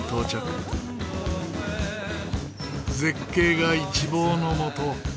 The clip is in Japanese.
絶景が一望のもと。